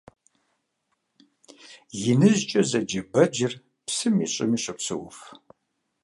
«ИныжькIэ» зэджэ бэджыр псыми щIыми щопсэуф.